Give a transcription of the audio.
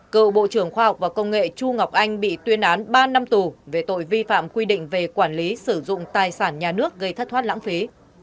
cựu bộ trưởng khoa học và công nghệ chu ngọc anh bị tuyên án ba năm tù về tội vi phạm quy định về quản lý sử dụng tài sản nhà nước gây thất thoát lãng phí